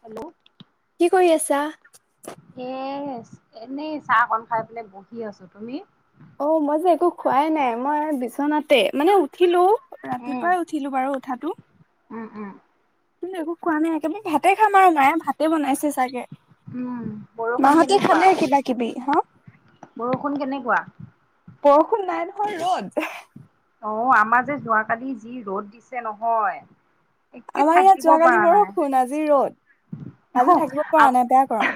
Hello কি কৰি আছা? এ এনেই চাহ কন খাই পিনে বহি আছো তুমি অ মই যে একো খোৱাই নাই মই বিচনাতে মানে উঠিলো উম ৰাতিপুৱাই উঠিলো বাৰু উঠাতো উম উম কিনো একো খোৱা নাই একেবাৰে ভা - তাতেই খাম আৰু মায়ে ভাতে বনাইছে চাগে, উম বৰষুণ মা হতে কেনেকুৱা খালে কিবা-কিবি। হা বৰষুণ কেনেকুৱা? বৰষুণ নাই নহয়, ৰ'দ- অ আমাৰ যে যোৱাকালি যি ৰ'দ দিছে নহয় একে আমাৰ ইয়াত থাকিব যোৱাকালি পৰা নাই বৰষুণ আজি ৰ'দ। আজি থাকিব পৰা নাই বেয়া গৰম।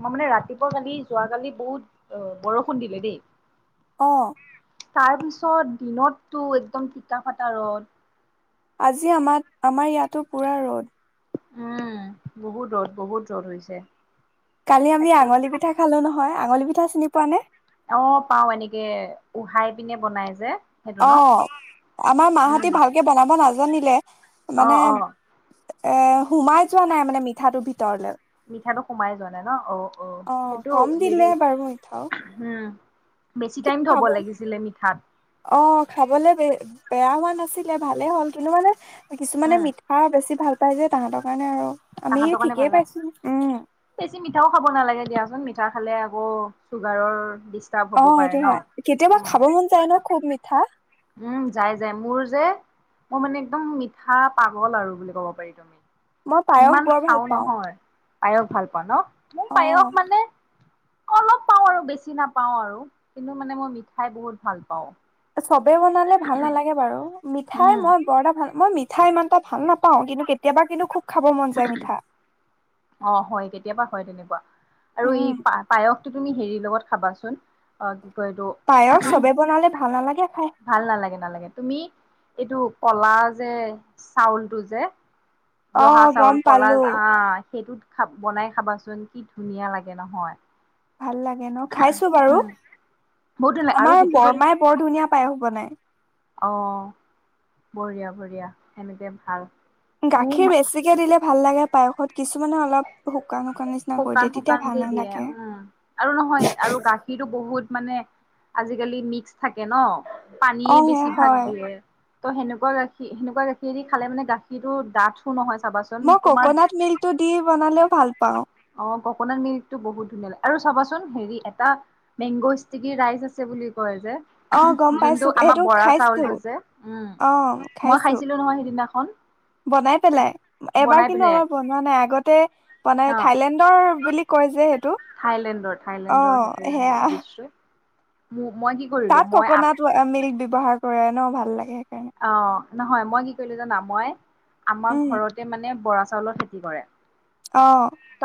আমাৰ মানে ৰাতিপুৱা যোৱাকালি বহুত বৰষুণ দিলে দেই। অ তাৰ পিছত দিনতটো একদম টিকা-ফটা ৰ'দ, আজি আমাৰ আমাৰ ইয়াতো পুৰা ৰ'দ। উম বহুত ৰ'দ-বহুত ৰ'দ হৈছে। কালি আমি তাকে আঙুলি পিঠা খালো নহয়, আঙুলি পিঠা চিনি পোৱা নে? অ পাও, এনেকে উহাই পিনে বনাই যে। সেইটো অ, ন আমাৰ উম, মাহতে ভালকৈ বনাব নাজানিলে। অ', অ', মানে-এ সোমাই যোৱা নাই মানে মিঠাইটোৰ ভিতৰলে। মিঠাইটোত সোমাই যোৱা নাই ন, অ অ সেইতটো কম দিলে হেৰি বাৰু মিঠাও উম বেছি টাইম থব -খাব। লাগিছিলে মিঠাত অ, খাবলে বেয়া হোৱা নাই নাছিলে ভালেই হ'ল কিন্তু মানে কিছুমানে উম, মিঠা বেছি ভাল পায় যে- তাহাঁতৰ কাৰণে আৰু আমি তাহতৰ কাৰণে ঠিকেই ভাল পাইছো উম আৰু বেছি মিঠাও খাব নালাগে দিয়াচোন মি- -ঠা খালে আকৌ চুগাৰৰ- ডিষ্টাৰ্ব অ হ'ব পাৰে এইটো ন। হয়, কেতিয়াবা উম, খাব মন যায় ন খুব মিঠা। উম যাই যাই মোৰ যে- মই মানে একদম মিঠা-পাগল আৰু বুলি কব পাৰি। মই পায়স ইমান বৰ ভাল খাওঁ পাওঁ নহয়। পায়স ভাল পাওঁ ন, মোৰ অ পায়স মানে- অলপ পাওঁ আৰু বেছি নাপাওঁ আৰু কিন্তু মানে মই মিঠাই বহুত ভাল পাওঁ। চবেই বনালে ভাল নালাগে বাৰু, মিঠাই উম। মই বৰ এটা ভাল নাপাওঁ, মই মিঠাই ইমান এটা ভাল না- পাওঁ কিন্তু কেতিয়াবা কিন্তু খুব খাব মন যায় মিঠা। অ হয় কেতিয়াবা হয় তেনেকুৱা। আৰু এই উম পায়সটো তুমি হেৰিৰ লগত খাবাচোন, অ কয় এইটো পায়স চবে বনালে ভাল নালাগে। খাই ভাল নালাগে নালাগে তুমি এইটো কলা যে চাউলটো যে- অ জহা গম চাউল কলা পালো আহ সেইটোত ভাব বনাই খাবাচোন কি ধুনীয়া লাগে নহয় ভাল লাগে ন খাইছো বাৰু, বহুত ধুনীয়া লাগে আৰু আমাৰ সেইটো বৰমাই বৰ ধুনীয়া পায়স বনাই। আহ বঢ়িয়া-বঢ়িয়া সেনেকেয়ে ভাল। গাখীৰ মোৰ বেছিকৈ দিলে ভাল লাগে পায়সত, কিছুমানে অলপ শুকান শুকান নিচিনা কৰি দিয়ে তেতিয়া শুকান-শুকান ভাল কে দিয়ে। নালাগে। উম আৰু নহয় আৰু গাখীৰটো বহুত- মানে আজিকালি মিক্স থাকে ন, অ পানীয়ে সেয়া বেছি ভাগ হয় দিয়ে ত' সেনেকুৱা সেনেকুৱা গাখীৰেদি খালে মানে গাখীৰৰ ডাঠু নহয় চাবাচোন মই তোমাৰ ককনাট মিল্কটো দি বনালেও ভাল পাওঁ। অ', ককনাট মিল্ক টো বহুত ধুনীয়া আৰু চাবাচোন হেৰি এটা মেংগ' ষ্টিকি ৰাইচ আছে বুলি কয় অ গম যোনটো পাইছো আমাৰ এইটো বৰা খাইছো চাউলটো যে, উম অ মই খাইছো খাইছিলো নহয় সেইদিনা বনাই পেলাই, বনাই এইবাৰ কিন্তু পিনে আমাৰ বনোৱা নাই আগতে বনাই থাইলেণ্ডৰ বুলি কয় যে সেইটোক থাইলেণ্ডৰ-থাইলেণ্ডৰ সেইটো দেখিছোঁ, মোক তাত ককনাত মিল্কটো ব্যৱহাৰ কৰে ন' ভাল লাগে সেইকাৰণে অ', নহয় মই কি কৰিলোঁ জানা মই আমাৰ উম ঘৰতে মানে বৰা চাউল চাউলৰ খেতি কৰে অ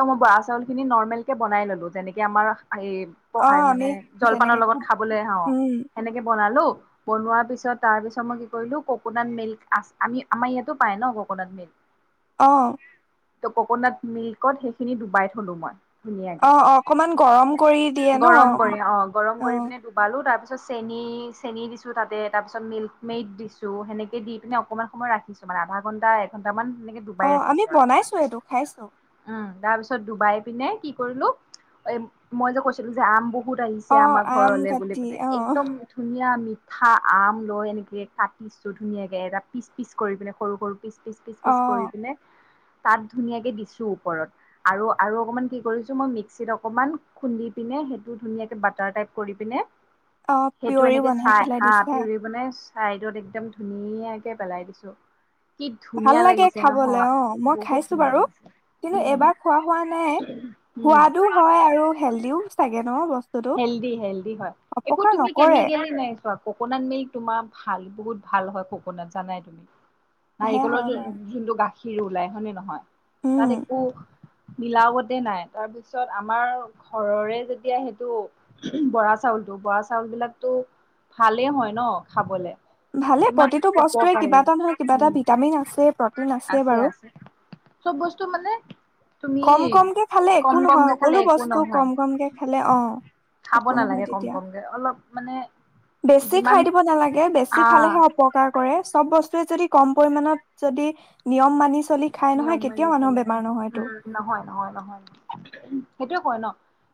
মই বৰা চাউল খিনি নৰ্মেলকে বনাই ললোঁ যেনেকে আমাৰ এহ অ পঢ়াই আমি মানে যেনেকে জলপানৰ লগত খাওঁ খাবলৈ অ', উম সেনেকে বনালো বনোৱাৰ পিছত তাৰ পিছত মই কলো ককনাট মিল্ক আ আমি আমাৰ ইয়াতো পাই ন', ককনাট মিল্ক অ', ত' ককনাট মিল্কত সেইখিনি ডুবাই থলো মই অ ধুনীয়াকে অ অকমান গৰম কৰি দিয়ে ন গৰম কৰি, অ', গৰম কৰি পিনে ডুবালো তাৰ পিছত তাৰ পিছত চেনি চেনি দিছো তাতে তাৰ পিছত মিল্ক মেড দি সেনেকে দি পিনে অকনমান সময় ৰাখিছো মানে আধা ঘণ্টা এঘণ্টা মান অ', আমি বনাইছো সেইটো খাইছো। উম তাৰ পিছত ডুবাই পিনে কি কৰিলোঁ এহ মই যে কৈছিলো যে আম বহু বহুত আহিছে অ আমাৰ আম ঘৰলৈ বুলি কাটি মানে অ একদম ধুনীয়া মিঠা আম লৈ এনেকে কাটি পিচটো ধুনীয়াকৈ এটা পিচ-পিচ কৰি পিনে সৰু সৰু অ পিচ-পিচ-পিচ-পিচ কৰি পিনে তাত ধুনীয়াকে দিছোঁ ওপৰত আৰু আৰু অকমান কি কৰিছো মই মিক্সিত অকমান খুন্দি পিনে সেইটো ধুনীয়াকে বাটাৰ টাইপ কৰি পিনে অ সেইটো পিয়ৰি এনেকে বনাই চাই পেলাই হা দিছা পিউৰি বনাই চাইডত একদম ধুনীয়াকে পেলাই দিছো কি ভাল ধুনীয়া লাগে লাগিছে খাবলে নহয় অ মই বহুত খাইছো ধুনীয়া বাৰু লাগিছে। কিন্তু উম এবাৰ খোৱা খোৱা নাই উম সোৱাদও হয় আৰু হেল্ডিও চাগে ন বস্তু হেল্ডি হেল্ডি হয় একো তুমি নকৰে কেমিকেল নাই চোৱা ককনাট মিল্ক তোমাৰ ভাল বহুত ভাল হয় ককনাট জানাই তুমি সেয়া নাৰিকলৰ য হয় বাৰু যোনটো গাখীৰ ওলাই হয়নে নহয়? তাত উম একো মিলাৱতে নাই, তাৰপিছত আমাৰ ঘৰৰে যেতিয়া সেইটো বৰা চাউলতটো বৰা চাউল বিলাকতো ভালেই হয় ন খাবলে। ভালে কিমান প্ৰতিটো বস্তুৱে উপকাৰী কিবা এটা নহয় কিবা এটা ভিটামিন আছে আছে বাৰু আছে-আছে, চব বস্তু মানে তুমি কম কমকে খালে একো কম নহয় কমকে খালে সকলো একো বস্তু নহয়। কম কমকে খালে অ খাব একো নহয় নালাগে কম তেতিয়া কমকে অলপ মানে বেছি যিমান খাই দিব নালাগে বেছি আহ খালেহে অপকাৰ কৰে চব বস্তু যদি কম পৰিমাণত যদি নিয়ম মানি চলি খাই নহয় নিয়ম মানি কেতিয়াও মানুহৰ চলে বেমাৰ নহয়তো উম, নহয়-নহয়-নহয় সেইটোৱে কয় ন'।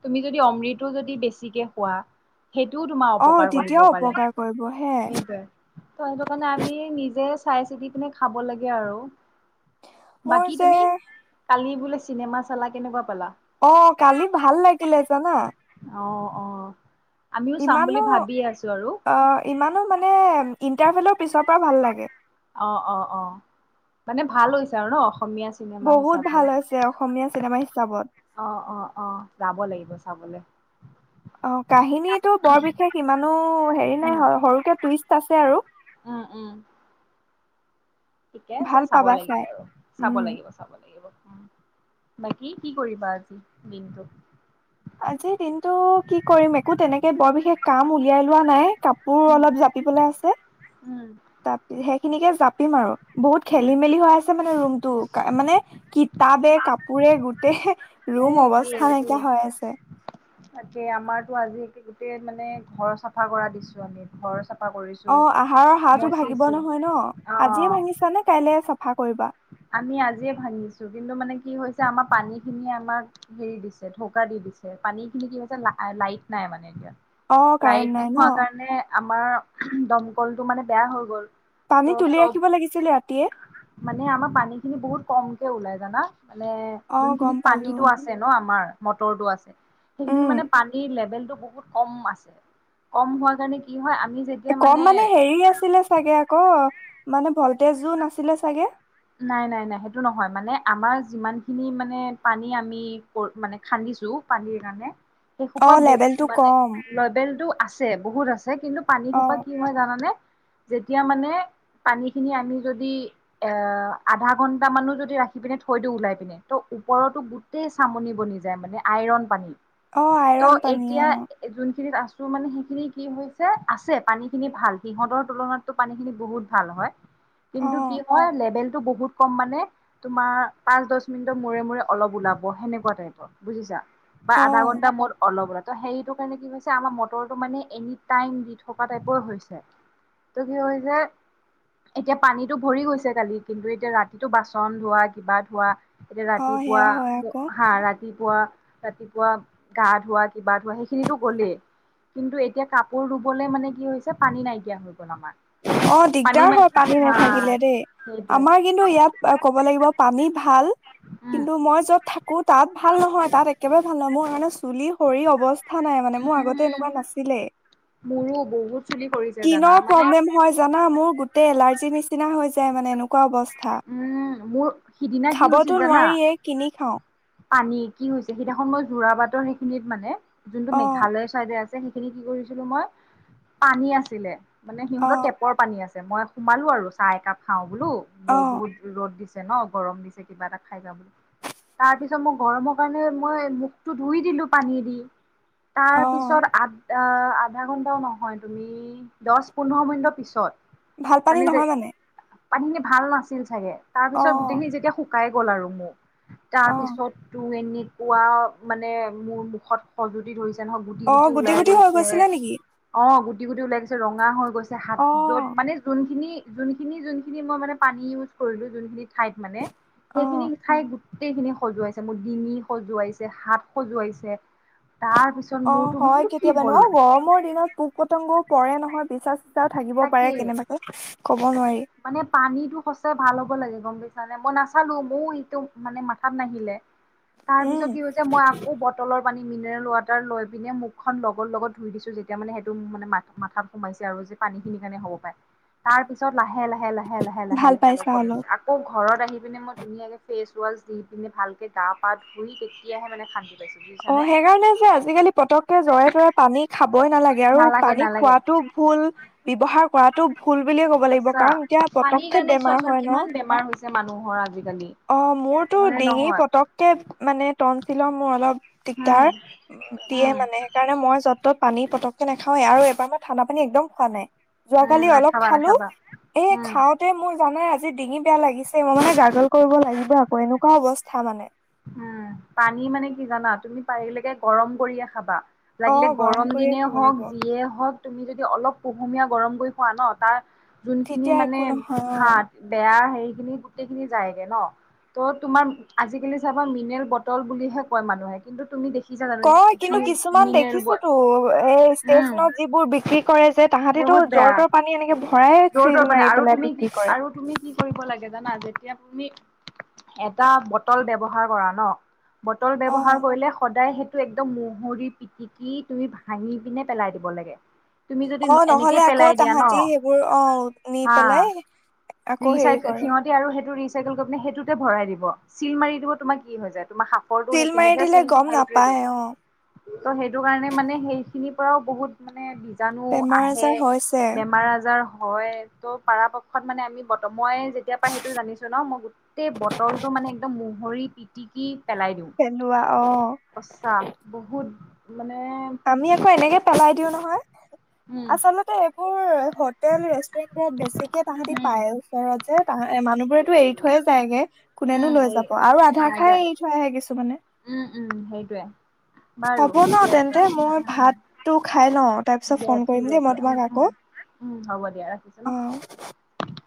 তুমি যদি অমৃতো যদি বেছিকে খোৱা সেইটোও তোমাৰ অ অপকাৰ কৰিব তেতিয়াও পাৰে, অপকাৰ কৰিব হে সেইটোৱে সেইটো কাৰণে আমি নিজে চাই চিতি পিনে খাব লাগে আৰু মোৰ বাকী যে তুমি কালি বোলে চিনেমা চালা কেনেকুৱা পালা? অ', কালি ভাল লাগিলে জানা। অ', - অ', আমিও চাম বুলি ইমানো ভাবিয়ে আছো আৰু অ', ইমানো মানে ইন্টাৰভেলৰ পিছপৰা অ', - অ', - অ', মানে ভাল হৈছে আৰু ন'? অসমীয়া চিনেমা বহুত হিচাপে, ভাল হৈছে অসমীয়া চিনেমা হিচাপত অ', -অ', -অ', যাব লাগিব। চাবলৈ অ' কাহিনীতটো বৰ বিশেষ ইমানো হেৰি উম নাই সৰুকে টুইষ্ট আছে আৰু। উম উম। ঠিকে আছে ভাল চাব পাবা লাগিব চাই আৰু চাব উম লাগিব চাব লাগিব। বাকী কি কৰিবা আজি দিনটো। আজিৰ দিনতটো কি কৰিম একো তেনেকে বৰ বিশেষ কাম উলিয়াই লোৱা নাই কাপোৰ উম, অলপ জাপিবলৈ আছে উম, তি সেইখিনিকে জাপিম আৰু। বহুত উম। খেলি মেলি হৈ আছে মানে ৰুমতটো মানে কিতাপে কাপোৰে গোটেই এ ৰুম একেই অৱস্থা একেই। নাইকিয়া হৈ আছে তাকে আমাৰতো আজি গোতেই মানে ঘৰ চাফা কৰা দিছো আমি ঘৰ চাফা। কৰিছো। অ' আহাৰৰ হাঁহটো ভাঙিব মচিছো নহয় ন আজিয়ে অ'। ভাঙিছা নে কাইলে চাফা কৰিবা। আমি আজিয়ে ভাঙিছো কিন্তু মানে কি হৈছে আমাৰ পানী খিনিয়ে আমাক হেৰি দিছে ঢকা দি পানী খিনি কি হৈছে লাইট নাই মানে এতিয়া অ কাৰেণ্ট লাইট নাই নোখোৱা ন কাৰণে আমাৰ দমকলটো মানে বেয়া হৈ গ'ল পানীত ত' তুলি চব ৰাখিব লাগিছিলে ৰাতিয়ে। মানে আমাৰ পানী খিনি বহুত কমকে ওলাই জানা মানে অ গম যোনখিনিত পালো পানীতটো আছে ন আমাৰ। মটৰটো আছে সেইখিনিত উম মানে পানীৰ লেভেলটো বহুত কম আছে। কম হোৱাৰ কাৰণে কি হয় অ'। কম মানে হেৰি আছিলে চাগে আকৌ মানে ভল্টেজো নাছিলে চাগে। নাই নাই নাই সেইটো নহয় মানে আমাৰ যিমান খিনি মানে পানী আমি মানে খান্দি। পান কাৰণে সেই অ খোপা লেবেলটো মানে কম লবেল টো আছে বহুত আছে কিন্তু পানী অ সোপা কি হয় জানানে যেতিয়া মানে পানী খিনি আমি যদি এ আধা ঘন্ট মানো যদি ৰাখি পিনে থৈ দি ওলাই পিনে ত ওপৰতো গোটেই চামনি বনি যায় মানে আইৰন পানী অ ত' আইৰণ পানী অ এতিয়া যোনখিনিত আ মানে সেইখিনি কি হৈছে আছে পানী খিনি ভাল সিহঁতৰ তুলনাতটো পানী খিনি বহুত ভাল হয় অ কিন্তু কি হয় লেবেল বহুত কম মানে তোমাৰ পাঁচ দহ মিনিটৰ মূৰে মূৰে অলপ ওলাব সেনেকুৱা টাইপত বুজিছা বা অ আধা ঘন্টা মোৰ অলপ ৰা ত সেইটো কাৰণে কি হৈছে আমাৰ মটৰটো মানে এনি টাইম দি থকা টাইপই হৈছে ত' কি ক যে এতিয়া পানীতো ভৰি গৈছে কালি কিন্তু এতিয়া ৰাতিটো বাচন ধোৱা কিবা ধোৱা এতিয়া অ ৰাতিপুৱা সেয়া হয় আকৌ হা ৰাতি ৰাতিপুৱা ৰাতিপুৱা গা ধোৱা কিবা ধোৱাা সেইখিনিতো গ'লেই কিন্তু এতিয়া কাপোৰ ৰুবলৈ মানে কি হৈছে পানী নাইকিয়া হৈল অ দিগদাৰ হয় পানী হা নাথাকিলে দেই সেইটোৱে আমাৰ কিন্তু ইয়াত ক'ব লাগিব পানী ভাল উম, কিন্তু মই য'ত থ আকৌ তাত ভাল নহয় তাত একেবাৰে ভাল নহ মোৰণে চুলি সৰি অৱস্থা ক নাই মানে মোৰ আগতে এনেকুৱা উম, নাছিলে মোৰো বহুত চুলি সৰিছে জানা কিনৰ মানে প্ৰব্লেম হয় জানা মোৰ গোটেই এলাৰ্জিৰ নিচিনা হৈ যায় মানে এনেকুৱা অৱস্থা উম, মোৰ সিদিনা কি হৈছিল খাবতো জানা নোৱাৰিয়ে কিনি খাও পানী কি হৈছে সেইদিনাখ মই জোৰা বাটৰ সেইখিনিত মানে যোনটো অ মেঘালয়ৰ চাইডে আছে সেইখিনি কি কৰিছিলো মই পানী আছিলে মানে অ সিহঁতৰ টেপৰ পানী আছিল মই সোমালো আৰু চাহ একাপ খাও বোলো অ ব বহুত ৰ'দ দিছে ন গৰম দিছে কিবা এটা খাই যা বুলি তাৰ পিছত মই গৰমৰ কাৰণে মই মুখটো ধুই দিলো পানীদি তাৰ অ পিছত আ আহ আধা ঘন্টাও নহয় তুমি দহ পোন্ধৰ মিনিটৰ পিছত ভাল পানী নহয় মানে পানী খিনি ভাল নাছিল চাগে তাৰ অ পিছত গোটেইখিনি যেতিয়া শুকাই গ'ল আৰু মোক তাৰ অ পিছত তোৰ এনেকুৱা মানে মোৰ মুখত সজতি ধৰিছিল নহক গুটি অ গুটি ওলাই হৈ গৈছে গৈছিলে নেকি অ গু গুটি গুটি ওলাই গৈছে ৰঙা হৈ গৈছে হাত যত অ', মানে যোনখিনি যোনখিনি যোনখিনি মই মানে পানী ইউজ কৰিলো যোনখিনি ঠাইত মানে সেইখিনি অ', ঠাইত গোটেইখিনি সজুৱাইছে মোৰ ডিঙি সজুৱাইছে হাত সজুৱাইছে অ হয় কেতিয়াবা হ'ল নহ গৰমৰ দিনত পোক পতংগও পৰে নহয় পিচা চিচাও থাকিব তাকে পাৰে কেনেবাকৈ কব নোৱাৰি মানে পানীতটো সঁচাই ভাল হ'ব লাগে গম পাইছাানে মই নাচালো ময় এইটো মানে মাথাত নাহিলে তাৰ উম, পিছত কি হৈছে মই আকৌ বটলৰ পানী মিনাৰেল ৱাটাৰ লৈ পিনে মুখখন লগৰ লগত ধুই দিছো যেতিয়া মানে সেইটো মান মা মাাত সোমাইছে আৰু পানী খিনি কাৰণে হ'ব পাই তাৰ পিছত লাহে লাহে লাহে লাহে লাহে লাহে ভাল লাহে অল পাইছা অলপ। কমছে আকৌ ঘৰত আহি পিনে মই ধুনীয়াকে ফেচ ছোৱাল দি পিনে ভালকে গা পাত ধুই কেতিয়াহে মানে খান্দি অ সেই কাৰণে যে আজিকালি পতককে জৰে তৰে পানী খাব নালাগে আৰু পানী খোৱাাতটো ভুল ব্যৱহাৰ কৰাতো ফুল বুলিয়ে ক'ব লাগিব সঁচা কাৰণ এতিয়া পানীৰ পতকে কাৰণে বেমাৰ চোৱাচোন হয় ন কিমান বেমাৰ হৈছে মানুহৰ আজি অ মোৰতো ডিঙি পতককে মানে তটনচিলৰ মোৰ অলপ উম দিগদাৰ দিয়ে উম মানে সেইকাৰণে মই য'ত ত'ত পানী পতকে নাখাওেই আৰু এবাৰ মই ঠাণ্ডা পানী একদম খোৱা নাই উম যোৱাকালি অলপ নাখাবা খালো নাখাবা এই উম। খাওঁতে মোৰ জানাই আজি ডিঙি বেয়া লাগিছে মই মানে গাগল কৰিব লাগিব আকৌ এনেকুৱা অৱস্থা মানে উম পানী মানে কি জানা তুমি পাৰিলেকে গৰম কৰিয়ে খাবা অ লাগিলে গৰম কৰিয়ে দিনে খাব হওঁক লাগিব যিয়ে হওঁক তুমি যদি অলপ পুহুমীয়া গৰম কৰি খোৱা ন তাৰ যোনখিনি তেতিয়া মানে একো নহয় অ হাত বেয়া হে সেইখিনি গোটেই খিনি যায়গে ন ত' তোমাৰ আজিকালি বা মিনেল বটল বুলিহে ক মানুহে কিন্তু তুমি দেখ কয় কিন্তু কিছুমান দেখিছোতো এই উম, ষ্টেচনত যিবোৰ বিক্ৰী কৰে যে তাহাঁতেতো জ্বৰটোৰ পানী এনেকে ভৰাই দৰ চিল দৰ মানে মাৰি আৰু পেলাই তুমি কি বিক্ৰী কৰে আৰু তুমি কি কৰিব লাগে জানা যেতিয়া তুমি এটা বটল ব্যৱহাৰ কৰা ন বটল অ ব্যৱহাৰ কৰিলে সদায় টো একদম মহৰি পিটিকি তুমি ভাঙি পিনে পেলাই দিব লাগে তুমি যদি অ নহলে এনেকেই আকৌ পেলাই দিয়া ন তাহাঁতি সেইবোৰ অ নি হা পেলাই আকৌ হেৰি ৰিচাই কৰে সিহঁতে আৰু সেইটো সেইটোতে ভৰাই দিব চিল মাৰি দিব তোমাৰ কি হৈ যায় তোমাৰ সাফৰটো চিল সেইখিনি মাৰি দিলে আছিল গম হেটোৱেতো নাপায় অ ত' সেইটো কাৰণে মানে সেই খিনিৰ পৰাও বহুত মানে জানো বেমাৰ আহে আজাৰ হৈছে বেমাৰ আজাৰ হয় ত' পৰাৰাপক্ষত মানে আমি ব মই যেতিয়া প সেইটো জানিছো ন মই গোটেই বটলতটো মানে মানে একদম মহৰি পিটিকি পেলাই দিওঁ পেলোৱা অ পচা বহুত মানে আমি আকৌ এনেকে পেলাই দিও নহয় উম আচলতে এইবোৰ হোটেল ৰেষ্টুৰেণ্ট বিলাত বেছিকে তাহাঁতে উম পায় ওচৰত যে এ মানুহবোৰেতো এৰি থৈয়ে যায়গে কোনেনো উম লৈ এই যাব আৰু আধা খাই নাযায় এৰি থৈ আহে কিছুমানে উম উম সেইটোৱে বাৰু হ'ব ন ঠিকে আছে তেন্তে মই ভাতটো খাই লওঁ তাৰ পিছত দিয়া ফোন ঠিক কৰিম দেই মই আছে উ তোমাক উম আকৌ উম হ'ব দিয়া ৰাখিছো অ ন